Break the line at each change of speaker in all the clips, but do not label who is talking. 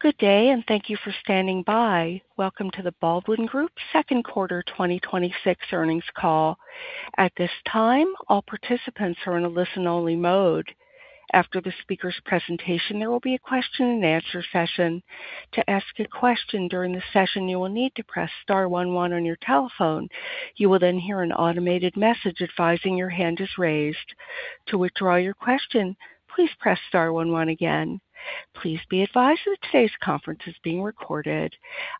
Good day, and thank you for standing by. Welcome to the Baldwin Group Second Quarter 2026 Earnings Call. At this time, all participants are in a listen-only mode. After the speaker's presentation, there will be a question-and-answer session. To ask a question during the session, you will need to press star one one on your telephone. You will hear an automated message advising your hand is raised. To withdraw your question, please press star one one again. Please be advised that today's conference is being recorded.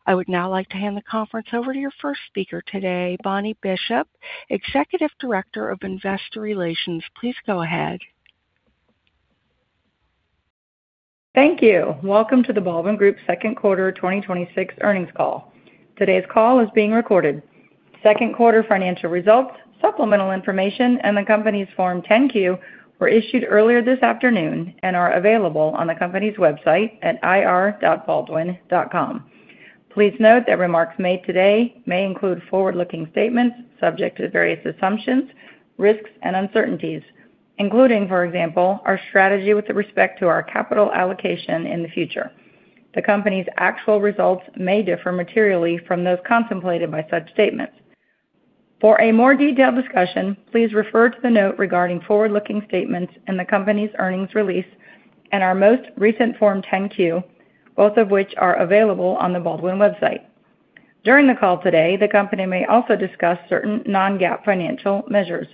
I would now like to hand the conference over to your first speaker today, Bonnie Bishop, Executive Director of Investor Relations. Please go ahead.
Thank you. Welcome to the Baldwin Group Second Quarter 2026 Earnings Call. Today's call is being recorded. Second quarter financial results, supplemental information, and the company's Form 10-Q were issued earlier this afternoon and are available on the company's website at ir.baldwin.com. Please note that remarks made today may include forward-looking statements subject to various assumptions, risks, and uncertainties including, for example, our strategy with respect to our capital allocation in the future. The company's actual results may differ materially from those contemplated by such statements. For a more detailed discussion, please refer to the note regarding forward-looking statements in the company's earnings release and our most recent Form 10-Q, both of which are available on the Baldwin website. During the call today, the company may also discuss certain non-GAAP financial measures.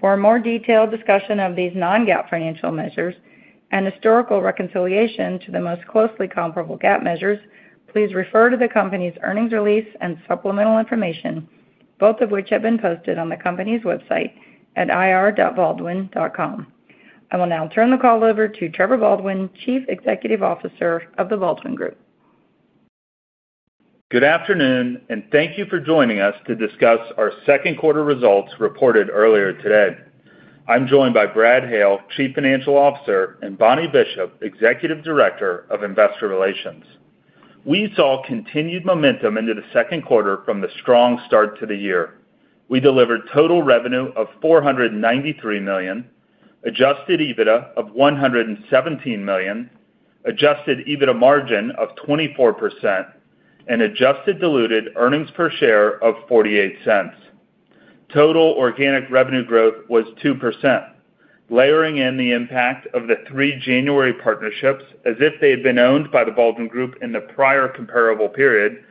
For a more detailed discussion of these non-GAAP financial measures and historical reconciliation to the most closely comparable GAAP measures, please refer to the company's earnings release and supplemental information, both of which have been posted on the company's website at ir.baldwin.com. I will now turn the call over to Trevor Baldwin, Chief Executive Officer of the Baldwin Group.
Good afternoon, and thank you for joining us to discuss our second quarter results reported earlier today. I'm joined by Brad Hale, Chief Financial Officer, and Bonnie Bishop, Executive Director of Investor Relations. We saw continued momentum into the second quarter from the strong start to the year. We delivered total revenue of $493 million, adjusted EBITDA of $117 million, adjusted EBITDA margin of 24%, and adjusted diluted earnings per share of $0.48. Total organic revenue growth was 2%. Layering in the impact of the three January partnerships as if they had been owned by the Baldwin Group in the prior comparable period,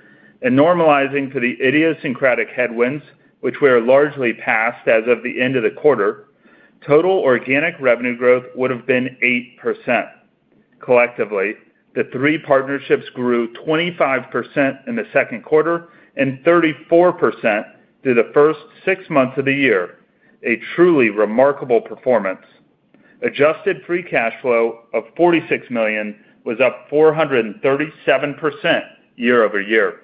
normalizing for the idiosyncratic headwinds, which we are largely past as of the end of the quarter, total organic revenue growth would've been 8%. Collectively, the three partnerships grew 25% in the second quarter and 34% through the first six months of the year. A truly remarkable performance. Adjusted free cash flow of $46 million was up 437% year-over-year.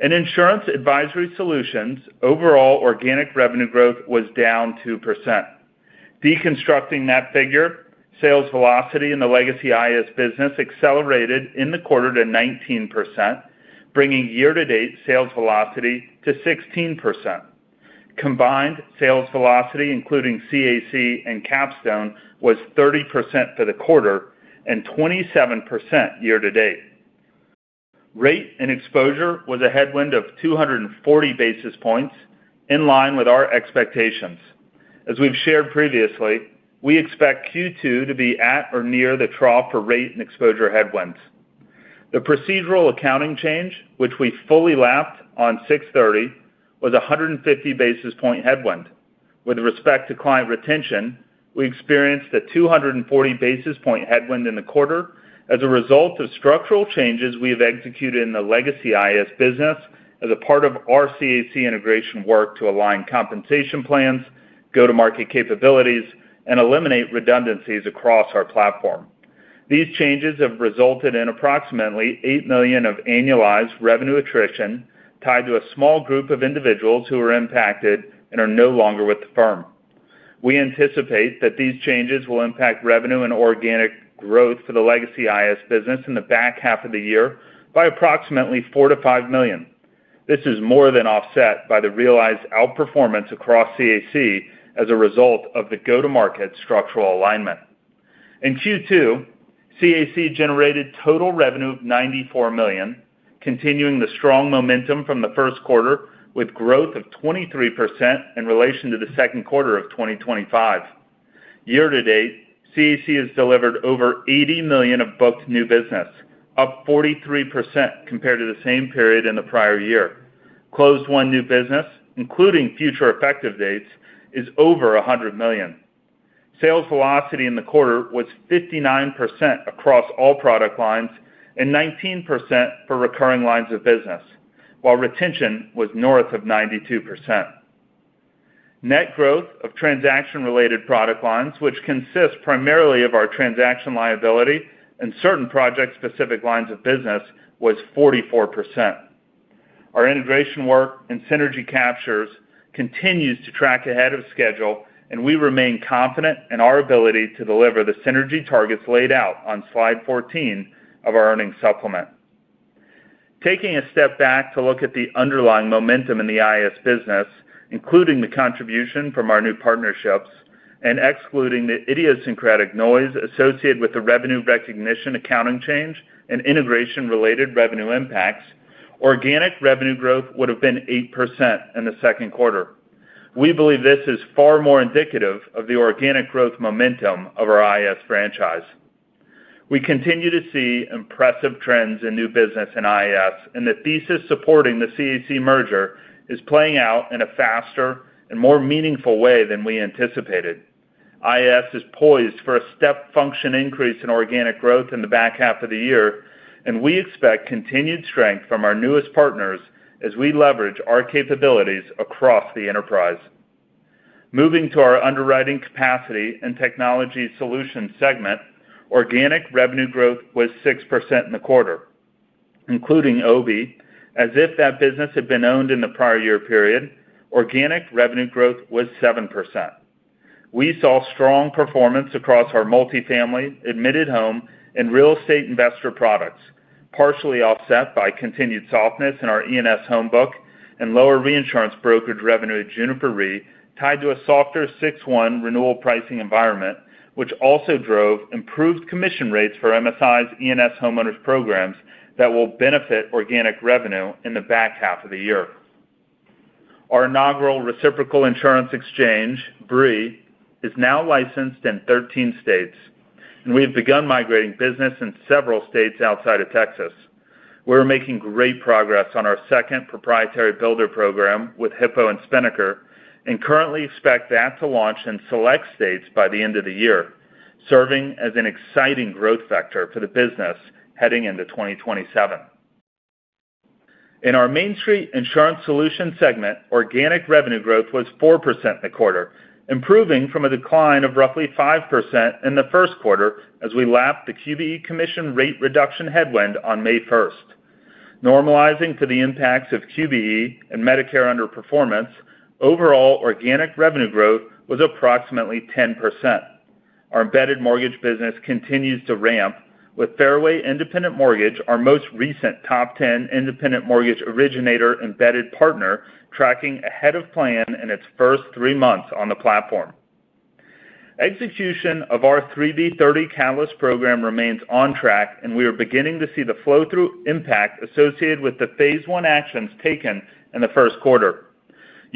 In Insurance Advisory Solutions, overall organic revenue growth was down 2%. Deconstructing that figure, sales velocity in the legacy IAS business accelerated in the quarter to 19%, bringing year-to-date sales velocity to 16%. Combined sales velocity, including CAC and Capstone, was 30% for the quarter and 27% year-to-date. Rate and exposure was a headwind of 240 basis points, in line with our expectations. As we've shared previously, we expect Q2 to be at or near the trough for rate and exposure headwinds. The procedural accounting change, which we fully lapped on six-thirty, was 150 basis point headwind. With respect to client retention, we experienced a 240 basis point headwind in the quarter as a result of structural changes we have executed in the legacy IAS business as a part of our CAC integration work to align compensation plans, go-to-market capabilities, and eliminate redundancies across our platform. These changes have resulted in approximately $8 million of annualized revenue attrition tied to a small group of individuals who were impacted and are no longer with the firm. We anticipate that these changes will impact revenue and organic growth for the legacy IAS business in the back half of the year by approximately $4 million-$5 million. This is more than offset by the realized outperformance across CAC as a result of the go-to-market structural alignment. In Q2, CAC generated total revenue of $94 million, continuing the strong momentum from the first quarter with growth of 23% in relation to the second quarter of 2025. Year-to-date, CAC has delivered over $80 million of booked new business, up 43% compared to the same period in the prior year. Closed won new business, including future effective dates, is over $100 million. Sales velocity in the quarter was 59% across all product lines and 19% for recurring lines of business, while retention was north of 92%. Net growth of transaction-related product lines, which consist primarily of our transaction liability and certain project-specific lines of business, was 44%. Our integration work and synergy captures continues to track ahead of schedule. We remain confident in our ability to deliver the synergy targets laid out on slide 14 of our earnings supplement. Taking a step back to look at the underlying momentum in the IAS business, including the contribution from our new partnerships and excluding the idiosyncratic noise associated with the revenue recognition accounting change and integration related revenue impacts, organic revenue growth would have been 8% in the second quarter. We believe this is far more indicative of the organic growth momentum of our IAS franchise. We continue to see impressive trends in new business in IAS. The thesis supporting the CAC merger is playing out in a faster and more meaningful way than we anticipated. IAS is poised for a step function increase in organic growth in the back half of the year, and we expect continued strength from our newest partners as we leverage our capabilities across the enterprise. Moving to our underwriting capacity and technology solutions segment, organic revenue growth was 6% in the quarter. Including Obie, as if that business had been owned in the prior year period, organic revenue growth was 7%. We saw strong performance across our multifamily, admitted home, and real estate investor products, partially offset by continued softness in our E&S home book and lower reinsurance brokerage revenue at Juniper Re tied to a softer 6/1 renewal pricing environment, which also drove improved commission rates for MIS's E&S homeowners programs that will benefit organic revenue in the back half of the year. Our inaugural reciprocal insurance exchange, BRE, is now licensed in 13 states, and we have begun migrating business in several states outside of Texas. We're making great progress on our second proprietary builder program with Hippo and Spinnaker, and currently expect that to launch in select states by the end of the year, serving as an exciting growth vector for the business heading into 2027. In our Mainstreet Insurance Solutions segment, organic revenue growth was 4% in the quarter, improving from a decline of roughly 5% in the first quarter as we lapped the QBE commission rate reduction headwind on May 1st. Normalizing to the impacts of QBE and Medicare underperformance, overall organic revenue growth was approximately 10%. Our embedded mortgage business continues to ramp with Fairway Independent Mortgage, our most recent top 10 independent mortgage originator embedded partner, tracking ahead of plan in its first three months on the platform. Execution of our 3B/30 Catalyst Transformation Program remains on track, and we are beginning to see the flow-through impact associated with the phase I actions taken in the first quarter.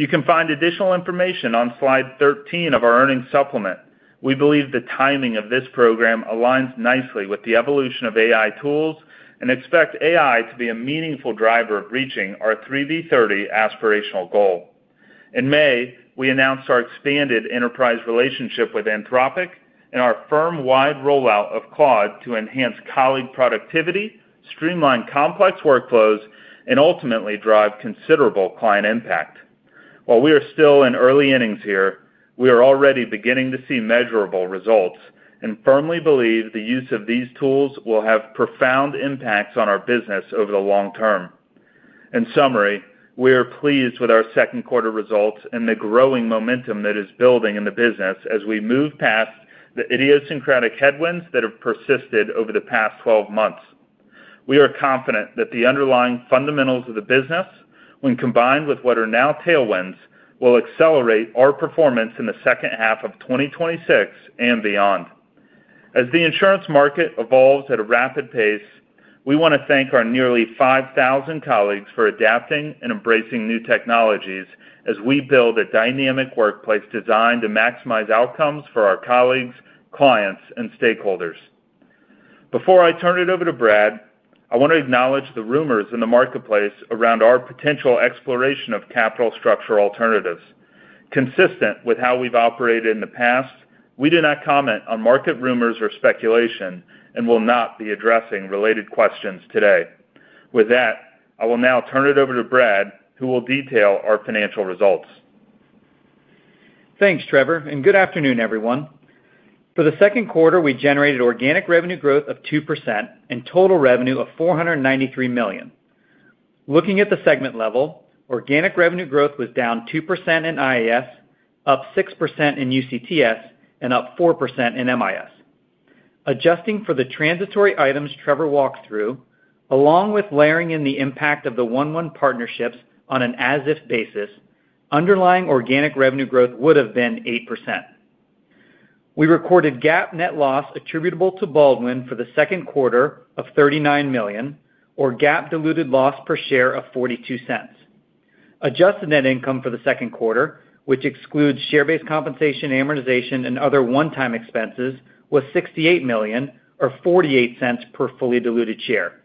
You can find additional information on slide 13 of our earnings supplement. We believe the timing of this program aligns nicely with the evolution of AI tools, and expect AI to be a meaningful driver of reaching our 3B/30 aspirational goal. In May, we announced our expanded enterprise relationship with Anthropic and our firm-wide rollout of Claude to enhance colleague productivity, streamline complex workflows, and ultimately drive considerable client impact. While we are still in early innings here, we are already beginning to see measurable results and firmly believe the use of these tools will have profound impacts on our business over the long-term. In summary, we are pleased with our second quarter results and the growing momentum that is building in the business as we move past the idiosyncratic headwinds that have persisted over the past 12 months. We are confident that the underlying fundamentals of the business, when combined with what are now tailwinds, will accelerate our performance in the second half of 2026 and beyond. As the insurance market evolves at a rapid pace, we want to thank our nearly 5,000 colleagues for adapting and embracing new technologies as we build a dynamic workplace designed to maximize outcomes for our colleagues, clients, and stakeholders. Before I turn it over to Brad, I want to acknowledge the rumors in the marketplace around our potential exploration of capital structure alternatives. Consistent with how we've operated in the past, we do not comment on market rumors or speculation and will not be addressing related questions today. With that, I will now turn it over to Brad, who will detail our financial results.
Thanks, Trevor. Good afternoon, everyone. For the second quarter, we generated organic revenue growth of 2% and total revenue of $493 million. Looking at the segment level, organic revenue growth was down 2% in IAS, up 6% in UCTS, and up 4% in MIS. Adjusting for the transitory items Trevor walked through, along with layering in the impact of the one-one partnerships on an as if basis, underlying organic revenue growth would have been 8%. We recorded GAAP net loss attributable to Baldwin for the second quarter of $39 million, or GAAP diluted loss per share of $0.42. Adjusted net income for the second quarter, which excludes share-based compensation amortization and other one-time expenses, was $68 million or $0.48 per fully diluted share.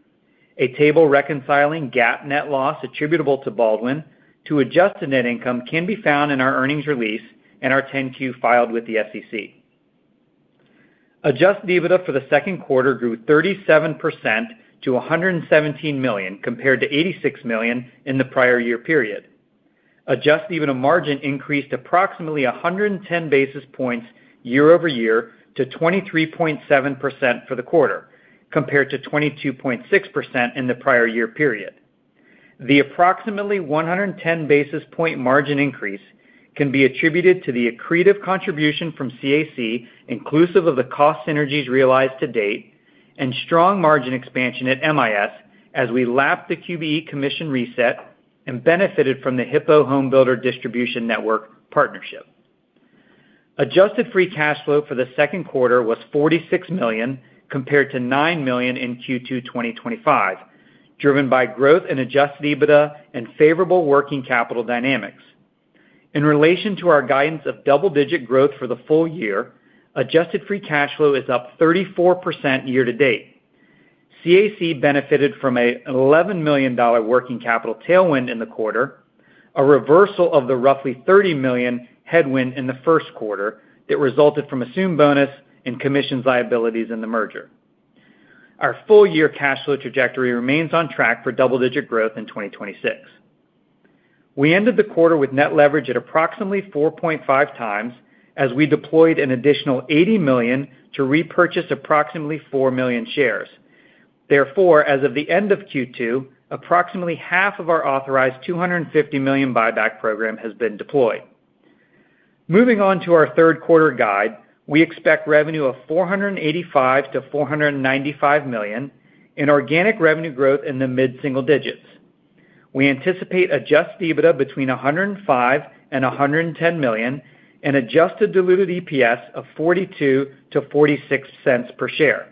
A table reconciling GAAP net loss attributable to Baldwin to adjusted net income can be found in our earnings release and our 10-Q filed with the SEC. Adjusted EBITDA for the second quarter grew 37% to $117 million, compared to $86 million in the prior year period. Adjusted EBITDA margin increased approximately 110 basis points year-over-year to 23.7% for the quarter, compared to 22.6% in the prior year period. The approximately 110 basis point margin increase can be attributed to the accretive contribution from CAC, inclusive of the cost synergies realized to date, and strong margin expansion at MIS, as we lap the QBE commission reset and benefited from the Hippo homebuilder distribution network partnership. Adjusted free cash flow for the second quarter was $46 million, compared to $9 million in Q2 2025, driven by growth in adjusted EBITDA and favorable working capital dynamics. In relation to our guidance of double-digit growth for the full year, adjusted free cash flow is up 34% year-to-date. CAC benefited from an $11 million working capital tailwind in the quarter, a reversal of the roughly $30 million headwind in the first quarter that resulted from assumed bonus and commissions liabilities in the merger. Our full-year cash flow trajectory remains on track for double-digit growth in 2026. We ended the quarter with net leverage at approximately 4.5x, as we deployed an additional $80 million to repurchase approximately 4 million shares. As of the end of Q2, approximately half of our authorized $250 million buyback program has been deployed. Moving on to our third quarter guide, we expect revenue of $485 million-$495 million in organic revenue growth in the mid-single digits. We anticipate adjusted EBITDA between $105 million and $110 million and adjusted diluted EPS of $0.42-$0.46 per share.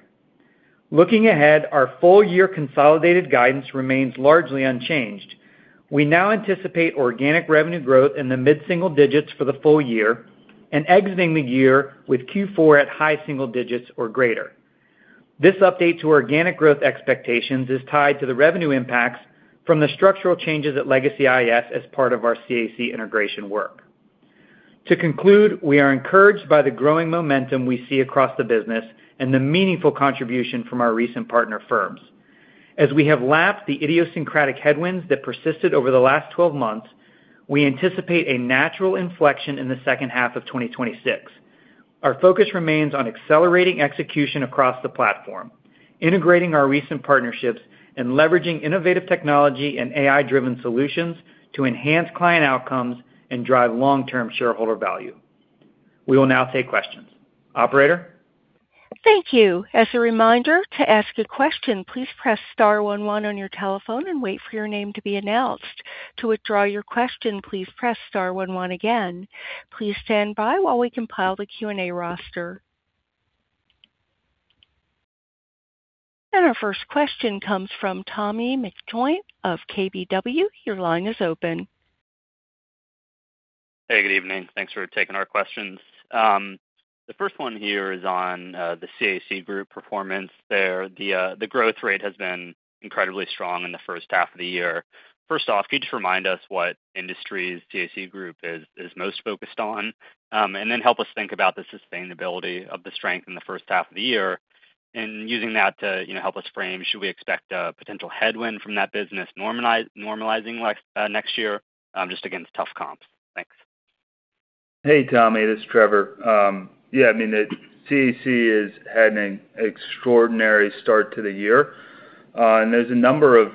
Looking ahead, our full-year consolidated guidance remains largely unchanged. We now anticipate organic revenue growth in the mid-single digits for the full year and exiting the year with Q4 at high single-digits or greater. This update to organic growth expectations is tied to the revenue impacts from the structural changes at Legacy IAS as part of our CAC integration work. To conclude, we are encouraged by the growing momentum we see across the business and the meaningful contribution from our recent partner firms. As we have lapped the idiosyncratic headwinds that persisted over the last 12 months, we anticipate a natural inflection in the second half of 2026. Our focus remains on accelerating execution across the platform, integrating our recent partnerships, and leveraging innovative technology and AI-driven solutions to enhance client outcomes and drive long-term shareholder value. We will now take questions. Operator?
Thank you. As a reminder, to ask a question, please press star one one on your telephone and wait for your name to be announced. To withdraw your question, please press star one one again. Please stand by while we compile the Q&A roster. Our first question comes from Tommy McJoynt of KBW. Your line is open.
Hey, good evening. Thanks for taking our questions. The first one here is on the CAC Group performance there. The growth rate has been incredibly strong in the first half of the year. First off, could you just remind us what industries CAC Group is most focused on? Then help us think about the sustainability of the strength in the first half of the year, and using that to help us frame, should we expect a potential headwind from that business normalizing next year, just against tough comps? Thanks.
Hey, Tommy, this is Trevor. CAC has had an extraordinary start to the year. There's a number of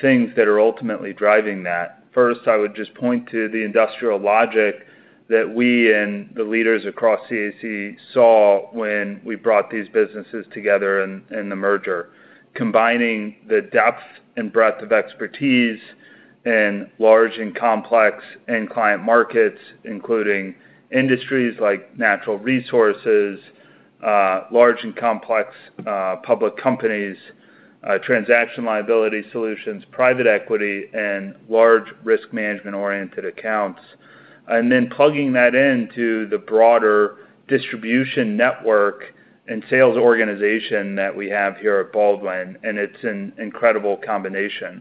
things that are ultimately driving that. First, I would just point to the industrial logic that we and the leaders across CAC saw when we brought these businesses together in the merger, combining the depth and breadth of expertise in large and complex end client markets, including industries like natural resources, large and complex public companies, transaction liability solutions, private equity, and large risk management-oriented accounts. Then plugging that into the broader distribution network and sales organization that we have here at Baldwin, and it's an incredible combination.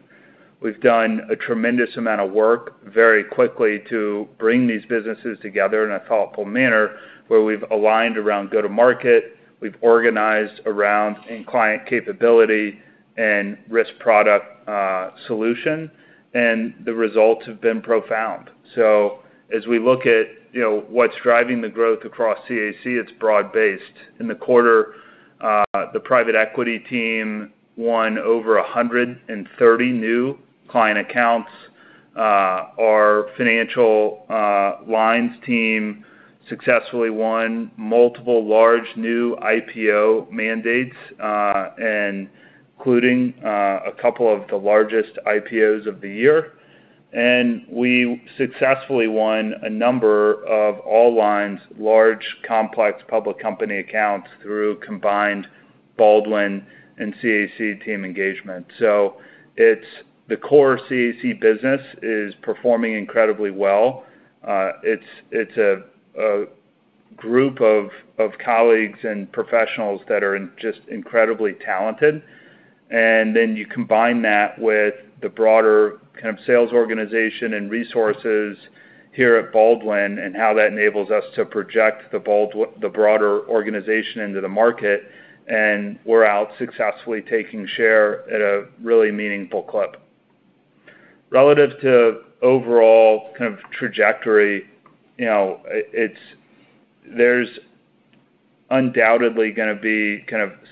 We've done a tremendous amount of work very quickly to bring these businesses together in a thoughtful manner where we've aligned around go-to-market, we've organized around end client capability and risk product solution, and the results have been profound. As we look at what's driving the growth across CAC, it's broad-based. In the quarter, the private equity team won over 130 new client accounts. Our financial lines team successfully won multiple large new IPO mandates, including a couple of the largest IPOs of the year. We successfully won a number of all lines, large, complex public company accounts through combined Baldwin and CAC team engagement. The core CAC business is performing incredibly well. It's a group of colleagues and professionals that are just incredibly talented. Then you combine that with the broader sales organization and resources here at Baldwin and how that enables us to project the broader organization into the market, and we're out successfully taking share at a really meaningful clip. Relative to overall trajectory, there's Undoubtedly going to be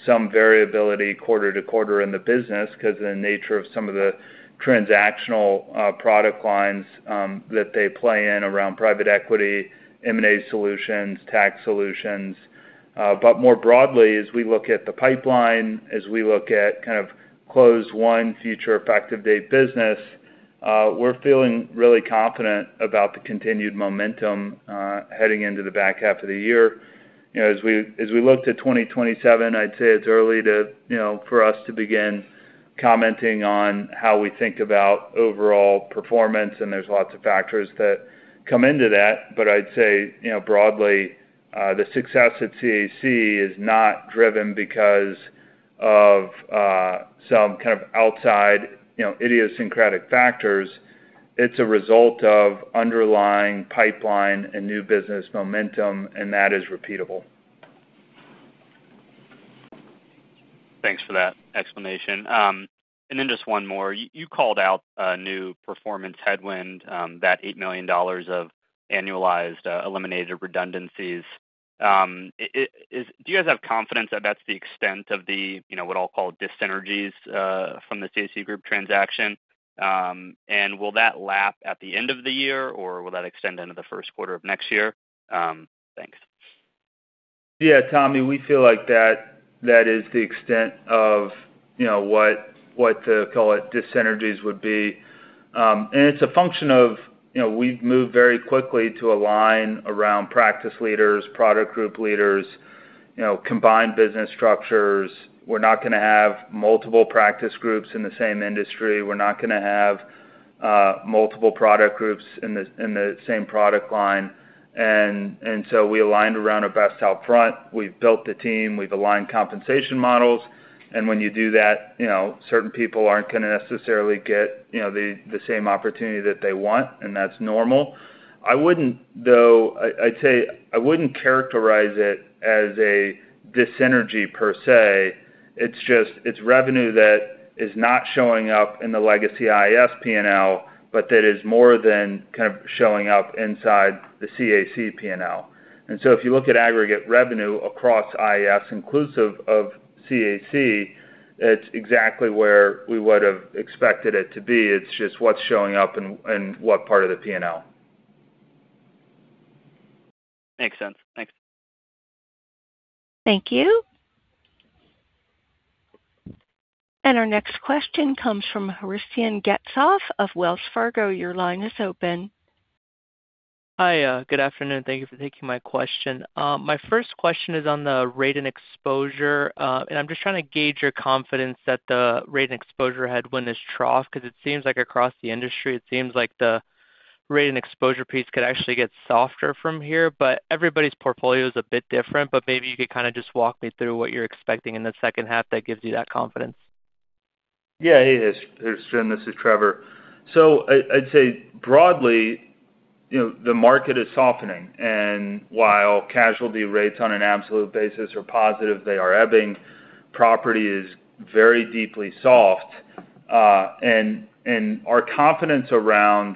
some variability quarter to quarter in the business because of the nature of some of the transactional product lines that they play in around private equity, M&A solutions, tax solutions. More broadly, as we look at the pipeline, as we look at closed one future effective date business, we're feeling really confident about the continued momentum heading into the back half of the year. As we looked at 2027, I'd say it's early for us to begin commenting on how we think about overall performance, and there's lots of factors that come into that. I'd say, broadly, the success at CAC is not driven because of some kind of outside idiosyncratic factors. It's a result of underlying pipeline and new business momentum, and that is repeatable.
Thanks for that explanation. Then just one more. You called out a new performance headwind, that $8 million of annualized eliminated redundancies. Do you guys have confidence that's the extent of the what I'll call dyssynergies from the CAC Group transaction? Will that lap at the end of the year, or will that extend into the first quarter of next year? Thanks.
Yeah, Tommy, we feel like that is the extent of what to call it, dyssynergies would be. It's a function of, we've moved very quickly to align around practice leaders, product group leaders, combined business structures. We're not going to have multiple practice groups in the same industry. We're not going to have multiple product groups in the same product line. We aligned around our best out front. We've built the team. We've aligned compensation models. When you do that, certain people aren't going to necessarily get the same opportunity that they want, and that's normal. I'd say I wouldn't characterize it as a dyssynergy per se. It's revenue that is not showing up in the Legacy IAS P&L, but that is more than kind of showing up inside the CAC P&L. If you look at aggregate revenue across IAS inclusive of CAC, it's exactly where we would have expected it to be. It's just what's showing up in what part of the P&L.
Makes sense. Thanks.
Thank you. Our next question comes from Hristian Getsov of Wells Fargo. Your line is open.
Hi. Good afternoon. Thank you for taking my question. My first question is on the rate and exposure. I'm just trying to gauge your confidence that the rate and exposure headwind is trough, because it seems like across the industry, it seems like the rate and exposure piece could actually get softer from here. Everybody's portfolio is a bit different, but maybe you could kind of just walk me through what you're expecting in the second half that gives you that confidence.
Yeah, hey, Hristian. This is Trevor. I'd say broadly, the market is softening. While casualty rates on an absolute basis are positive, they are ebbing. Property is very deeply soft. Our confidence around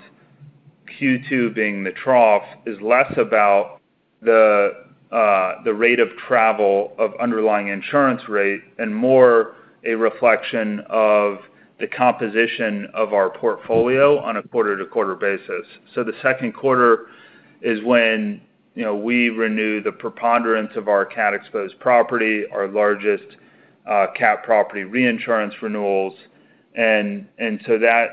Q2 being the trough is less about the rate of travel of underlying insurance rate and more a reflection of the composition of our portfolio on a quarter-to-quarter basis. The second quarter is when we renew the preponderance of our cat exposed property, our largest cat property reinsurance renewals. That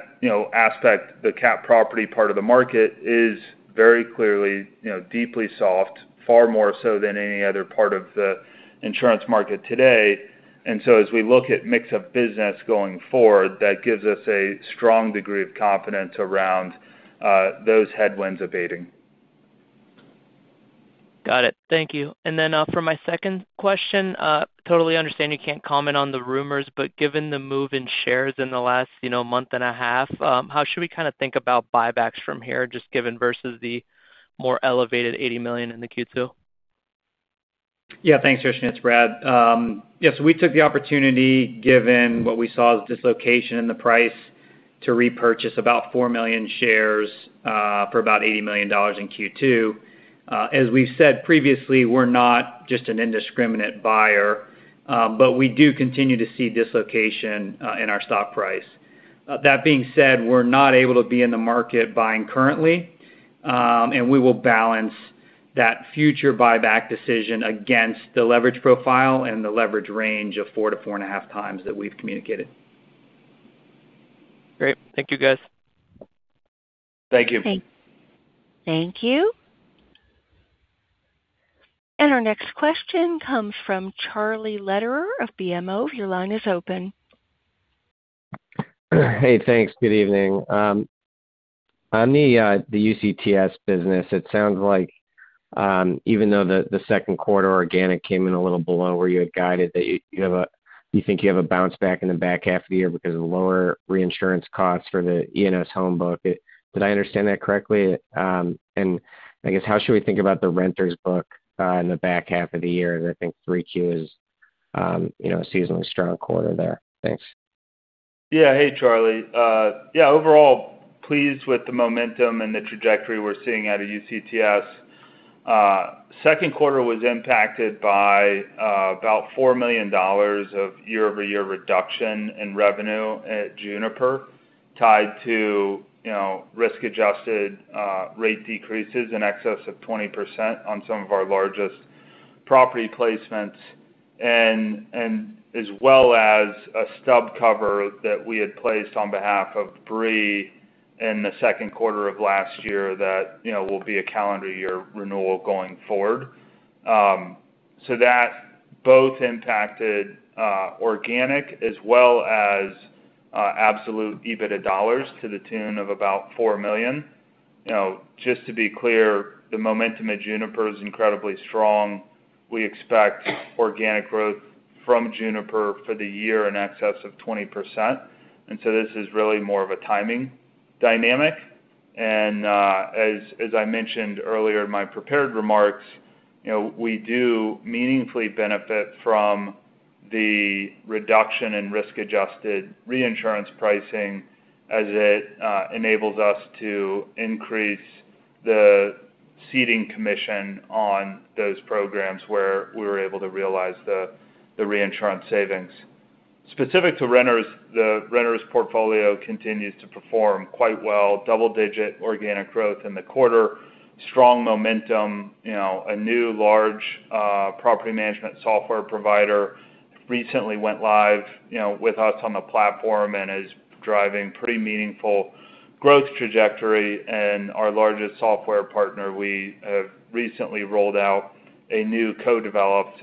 aspect, the cat property part of the market, is very clearly deeply soft, far more so than any other part of the insurance market today. As we look at mix of business going forward, that gives us a strong degree of confidence around those headwinds abating.
Got it. Thank you. For my second question, totally understand you can't comment on the rumors, given the move in shares in the last month and a half, how should we kind of think about buybacks from here, just given versus the more elevated $80 million in the Q2?
Yeah, thanks, Hristian. It's Brad. We took the opportunity, given what we saw as dislocation in the price, to repurchase about 4 million shares for about $80 million in Q2. As we've said previously, we're not just an indiscriminate buyer. We do continue to see dislocation in our stock price. That being said, we're not able to be in the market buying currently. We will balance that future buyback decision against the leverage profile and the leverage range of 4x-4.5x that we've communicated.
Great. Thank you, guys.
Thank you.
Thank you. Our next question comes from Charlie Lederer of BMO. Your line is open.
Hey, thanks. Good evening. On the UCTS business, it sounds like even though the second quarter organic came in a little below where you had guided, that you think you have a bounce back in the back half of the year because of the lower reinsurance costs for the E&S home book. Did I understand that correctly? I guess how should we think about the renter's book in the back half of the year, as I think 3Q is a seasonally strong quarter there? Thanks.
Hey, Charlie. Overall, pleased with the momentum and the trajectory we're seeing out of UCTS. Second quarter was impacted by about $4 million of year-over-year reduction in revenue at Juniper, tied to risk-adjusted rate decreases in excess of 20% on some of our largest property placements, and as well as a stub cover that we had placed on behalf of BRE in the second quarter of last year that will be a calendar year renewal going forward. That both impacted organic as well as absolute EBITDA dollars to the tune of about $4 million. Just to be clear, the momentum at Juniper is incredibly strong. We expect organic growth from Juniper for the year in excess of 20%. This is really more of a timing dynamic. As I mentioned earlier in my prepared remarks, we do meaningfully benefit from the reduction in risk-adjusted reinsurance pricing as it enables us to increase the ceding commission on those programs where we were able to realize the reinsurance savings. Specific to Renters, the Renters portfolio continues to perform quite well. Double-digit organic growth in the quarter. Strong momentum. A new large property management software provider recently went live with us on the platform and is driving pretty meaningful growth trajectory. Our largest software partner, we have recently rolled out a new co-developed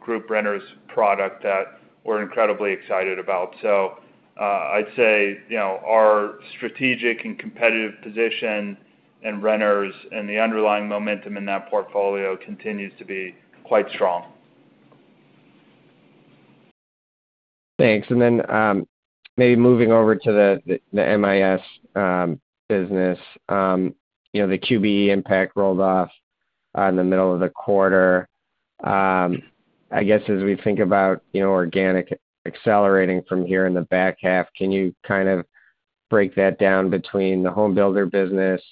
group Renters product that we're incredibly excited about. I'd say our strategic and competitive position in Renters and the underlying momentum in that portfolio continues to be quite strong.
Thanks. Maybe moving over to the MIS business. The QBE impact rolled off in the middle of the quarter. I guess as we think about organic accelerating from here in the back half, can you kind of break that down between the homebuilder business,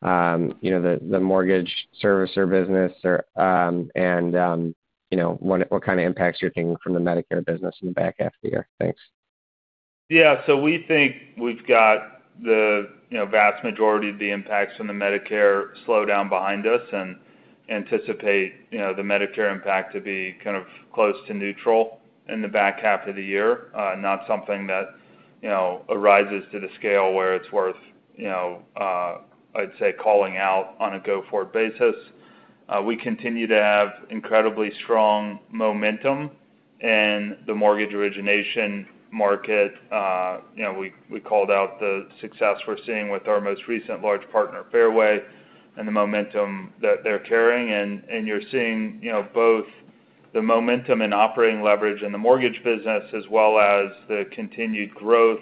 the mortgage servicer business, and what kind of impacts you're seeing from the Medicare business in the back half of the year? Thanks.
We think we've got the vast majority of the impacts from the Medicare slowdown behind us and anticipate the Medicare impact to be kind of close to neutral in the back half of the year. Not something that arises to the scale where it's worth, I'd say, calling out on a go-forward basis. We continue to have incredibly strong momentum in the mortgage origination market. We called out the success we're seeing with our most recent large partner, Fairway, and the momentum that they're carrying. You're seeing both the momentum and operating leverage in the mortgage business, as well as the continued growth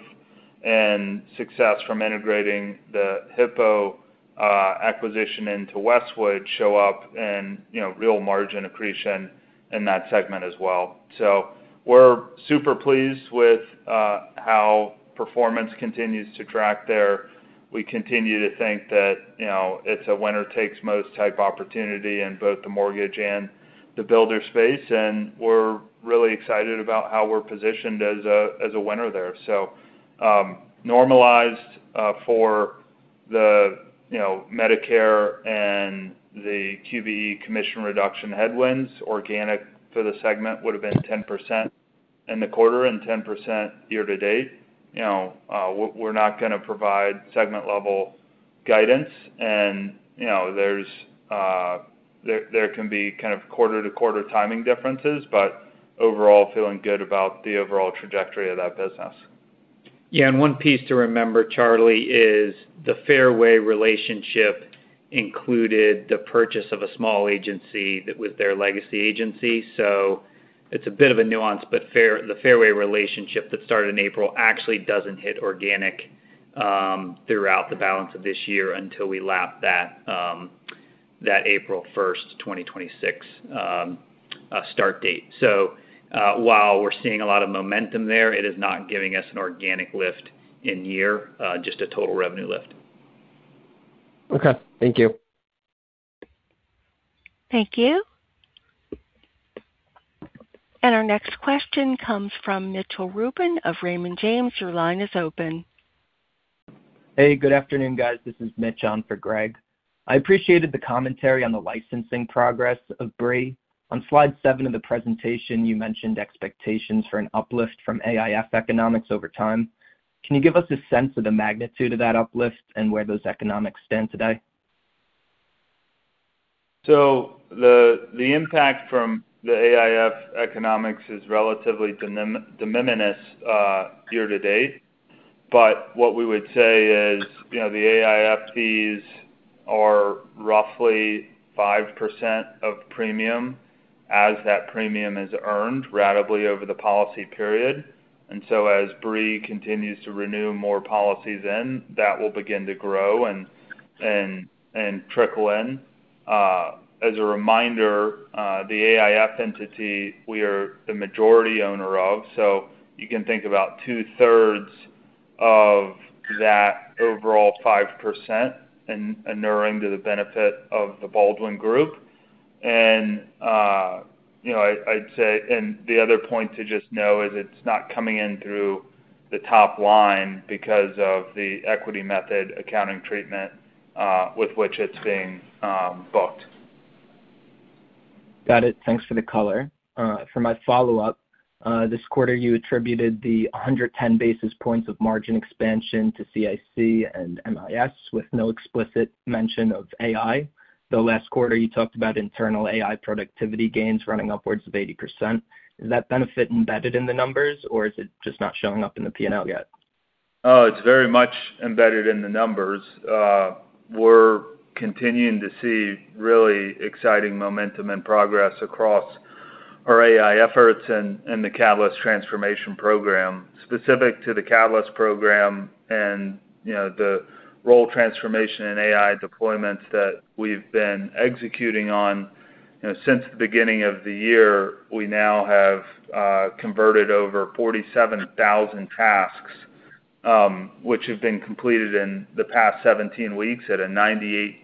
and success from integrating the Hippo acquisition into Westwood show up and real margin accretion in that segment as well. We're super pleased with how performance continues to track there. We continue to think that it's a winner-takes-most type opportunity in both the mortgage and the builder space, and we're really excited about how we're positioned as a winner there. Normalized for the Medicare and the QBE commission reduction headwinds, organic for the segment would've been 10% in the quarter and 10% year-to-date. We're not going to provide segment-level guidance, and there can be kind of quarter-to-quarter timing differences, but overall, feeling good about the overall trajectory of that business.
Yeah, one piece to remember, Charlie, is the Fairway relationship included the purchase of a small agency that was their legacy agency. It's a bit of a nuance, but the Fairway relationship that started in April actually doesn't hit organic throughout the balance of this year until we lap that April 1st, 2026 start date. While we're seeing a lot of momentum there, it is not giving us an organic lift in year, just a total revenue lift.
Okay. Thank you.
Thank you. Our next question comes from Mitchell Rubin of Raymond James. Your line is open.
Hey, good afternoon, guys. This is Mitch on for Greg. I appreciated the commentary on the licensing progress of BRE. On slide seven of the presentation, you mentioned expectations for an uplift from AIF economics over time. Can you give us a sense of the magnitude of that uplift and where those economics stand today?
The impact from the AIF economics is relatively de minimis year to date. What we would say is the AIF fees are roughly 5% of premium as that premium is earned ratably over the policy period. As BRE continues to renew more policies in, that will begin to grow and trickle in. As a reminder, the AIF entity, we are the majority owner of. You can think about two-thirds of that overall 5% enuring to the benefit of the Baldwin Group. I'd say, the other point to just know is it's not coming in through the top line because of the equity method accounting treatment, with which it's being booked.
Got it. Thanks for the color. For my follow-up, this quarter you attributed the 110 basis points of margin expansion to CAC and MIS with no explicit mention of AI, though last quarter you talked about internal AI productivity gains running upwards of 80%. Is that benefit embedded in the numbers or is it just not showing up in the P&L yet?
It's very much embedded in the numbers. We're continuing to see really exciting momentum and progress across our AI efforts and the Catalyst Transformation Program. Specific to the Catalyst Program and the role transformation and AI deployments that we've been executing on since the beginning of the year, we now have converted over 47,000 tasks, which have been completed in the past 17 weeks at a 98%+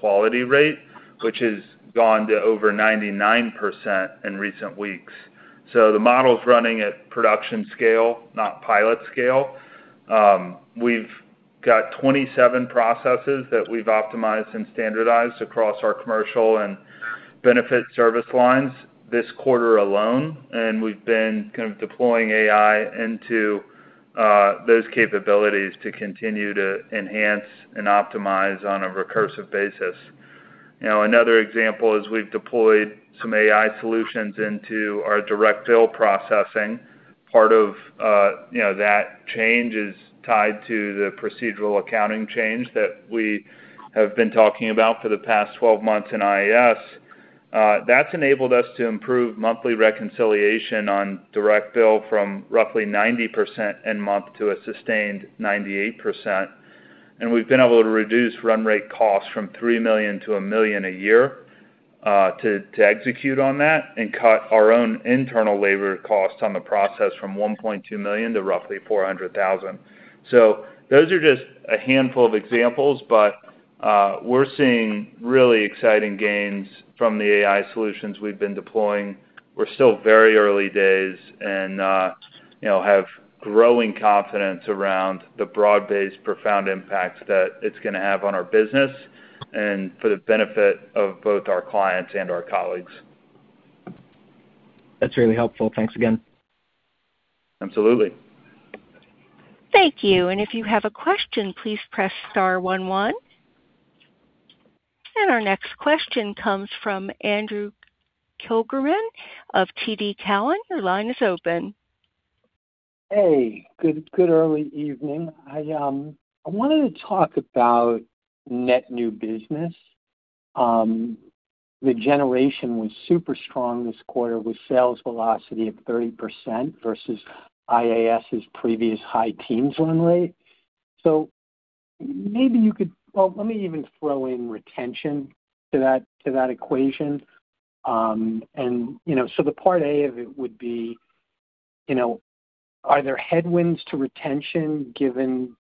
quality rate, which has gone to over 99% in recent weeks. The model's running at production scale, not pilot scale. We've got 27 processes that we've optimized and standardized across our commercial and benefit service lines this quarter alone, we've been kind of deploying AI into those capabilities to continue to enhance and optimize on a recursive basis. Another example is we've deployed some AI solutions into our direct bill processing. Part of that change is tied to the procedural accounting change that we have been talking about for the past 12 months in IAS. That's enabled us to improve monthly reconciliation on direct bill from roughly 90% in month to a sustained 98%. We've been able to reduce run rate costs from $3 million to $1 million a year, to execute on that and cut our own internal labor cost on the process from $1.2 million to roughly $400,000. Those are just a handful of examples, but we're seeing really exciting gains from the AI solutions we've been deploying. We're still very early days and have growing confidence around the broad-based profound impacts that it's going to have on our business and for the benefit of both our clients and our colleagues.
That's really helpful. Thanks again.
Absolutely.
Thank you. If you have a question, please press star one one. Our next question comes from Andrew Kligerman of TD Cowen. Your line is open.
Hey, good early evening. I wanted to talk about net new business. The generation was super strong this quarter with sales velocity of 30% versus IAS's previous high teens run rate. Maybe you could let me even throw in retention to that equation. The part A of it would be, are there headwinds to retention given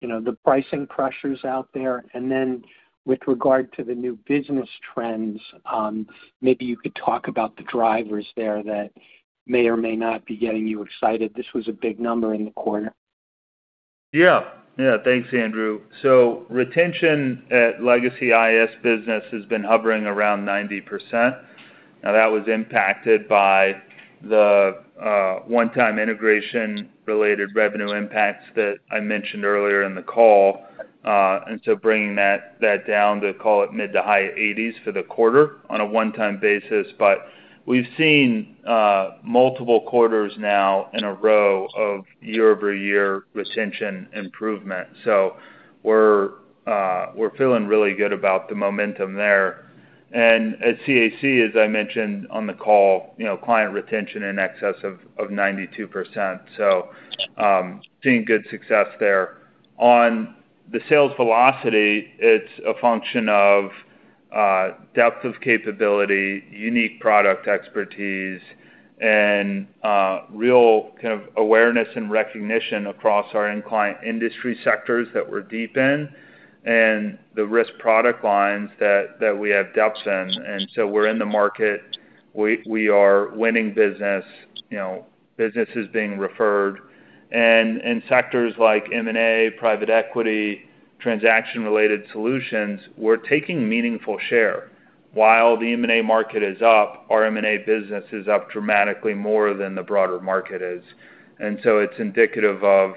the pricing pressures out there? Then with regard to the new business trends, maybe you could talk about the drivers there that may or may not be getting you excited. This was a big number in the quarter.
Yeah. Thanks, Andrew. Retention at Legacy IAS business has been hovering around 90%. That was impacted by the one-time integration-related revenue impacts that I mentioned earlier in the call, bringing that down to call it mid to high 80s for the quarter on a one-time basis. We've seen multiple quarters now in a row of year-over-year retention improvement. We're feeling really good about the momentum there. At CAC, as I mentioned on the call, client retention in excess of 92%. Seeing good success there. On the sales velocity, it's a function of depth of capability, unique product expertise, and real kind of awareness and recognition across our end client industry sectors that we're deep in and the risk product lines that we have depths in. We're in the market. We are winning business. Business is being referred. In sectors like M&A, private equity, transaction-related solutions, we're taking meaningful share. While the M&A market is up, our M&A business is up dramatically more than the broader market is. It's indicative of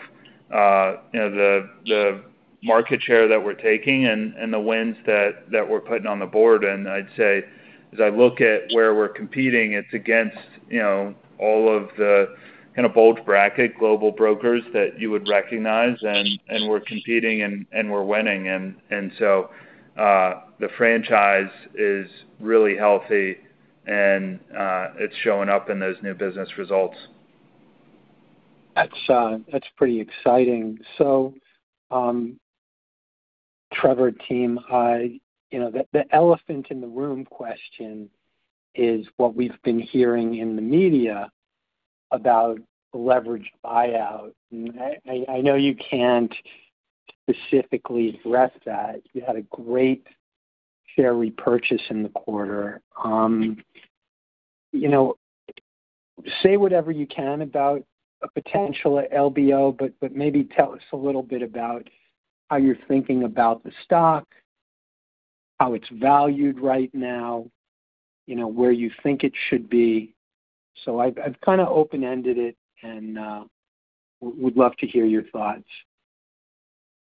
the market share that we're taking and the wins that we're putting on the board. I'd say, as I look at where we're competing, it's against all of the kind of bulge bracket global brokers that you would recognize, and we're competing and we're winning. The franchise is really healthy, and it's showing up in those new business results.
That's pretty exciting. Trevor then, the elephant in the room question is what we've been hearing in the media about leveraged buyout. I know you can't specifically address that. You had a great share repurchase in the quarter. Say whatever you can about a potential LBO, maybe tell us a little bit about how you're thinking about the stock, how it's valued right now, where you think it should be. I've kind of open-ended it and would love to hear your thoughts.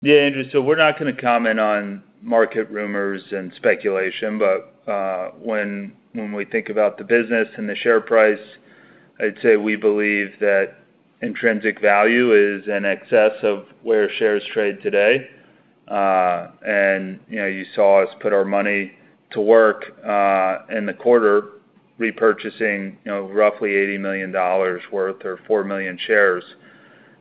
Yeah, Andrew. We're not going to comment on market rumors and speculation, when we think about the business and the share price, I'd say we believe that intrinsic value is in excess of where shares trade today. You saw us put our money to work in the quarter repurchasing roughly $80 million worth or four million shares.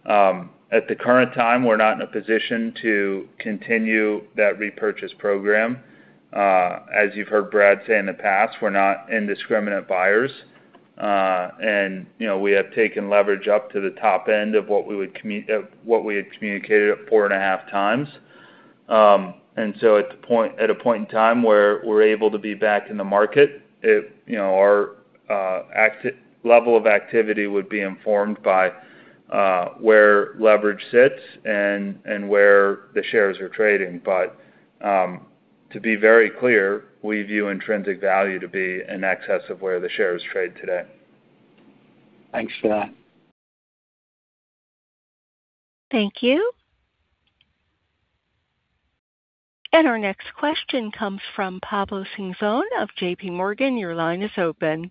At the current time, we're not in a position to continue that repurchase program. As you've heard Brad say in the past, we're not indiscriminate buyers. We have taken leverage up to the top end of what we had communicated at 4.5x. At a point in time where we're able to be back in the market, our level of activity would be informed by where leverage sits and where the shares are trading. To be very clear, we view intrinsic value to be in excess of where the shares trade today.
Thanks for that.
Thank you. Our next question comes from Pablo Singzon of J.P. Morgan. Your line is open.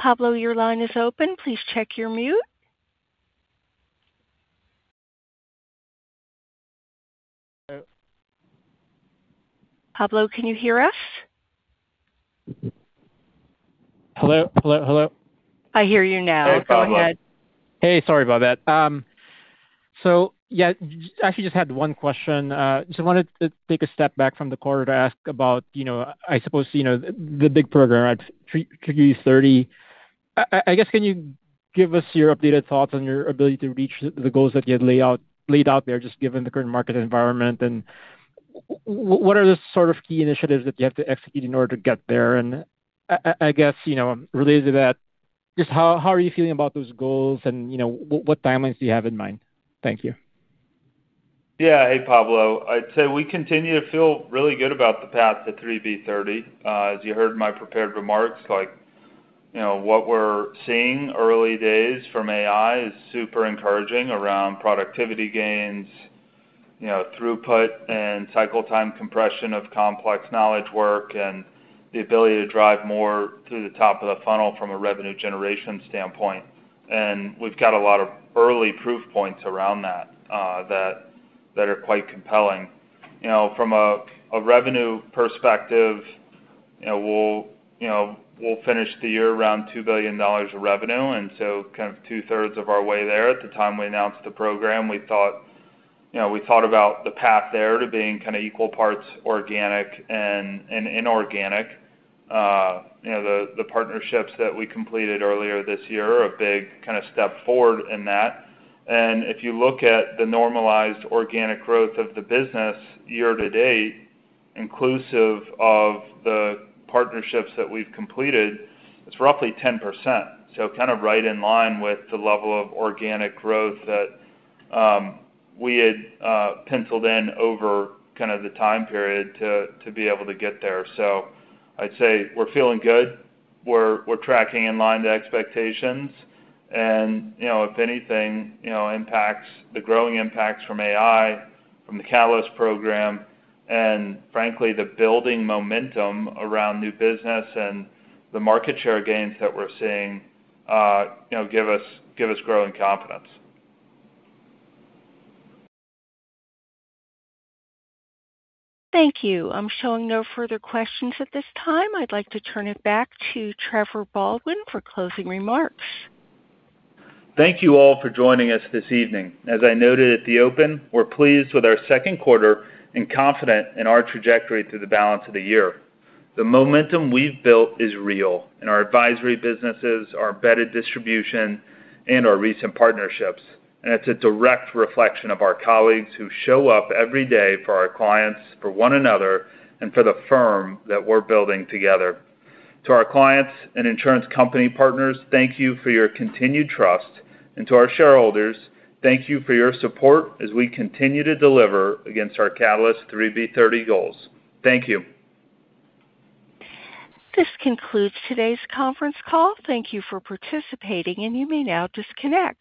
Pablo, your line is open. Please check your mute. Pablo, can you hear us?
Hello?
I hear you now. Go ahead.
Hey, Pablo.
Hey, sorry about that. Yeah, I actually just had one question. Just wanted to take a step back from the quarter to ask about, I suppose, the big program at 3B /30. I guess, can you give us your updated thoughts on your ability to reach the goals that you had laid out there, just given the current market environment? What are the sort of key initiatives that you have to execute in order to get there? I guess, related to that, just how are you feeling about those goals and what timelines do you have in mind? Thank you.
Yeah. Hey, Pablo. I'd say we continue to feel really good about the path to 3B/30. As you heard in my prepared remarks, what we're seeing early days from AI is super encouraging around productivity gains, throughput, and cycle time compression of complex knowledge work and the ability to drive more to the top of the funnel from a revenue generation standpoint. We've got a lot of early proof points around that that are quite compelling. From a revenue perspective, we'll finish the year around $2 billion of revenue, kind of two-thirds of our way there. At the time we announced the program, we thought about the path there to being kind of equal parts organic and inorganic. The partnerships that we completed earlier this year are a big kind of step forward in that. If you look at the normalized organic growth of the business year to date, inclusive of the partnerships that we've completed, it's roughly 10%. Kind of right in line with the level of organic growth that we had penciled in over kind of the time period to be able to get there. I'd say we're feeling good. We're tracking in line to expectations and if anything, the growing impacts from AI, from the Catalyst program, and frankly, the building momentum around new business and the market share gains that we're seeing give us growing confidence.
Thank you. I'm showing no further questions at this time. I'd like to turn it back to Trevor Baldwin for closing remarks.
Thank you all for joining us this evening. As I noted at the open, we're pleased with our second quarter and confident in our trajectory through the balance of the year. The momentum we've built is real in our advisory businesses, our embedded distribution, and our recent partnerships. It's a direct reflection of our colleagues who show up every day for our clients, for one another, and for the firm that we're building together. To our clients and insurance company partners, thank you for your continued trust, and to our shareholders, thank you for your support as we continue to deliver against our Catalyst 3B/30 goals. Thank you.
This concludes today's conference call. Thank you for participating, and you may now disconnect.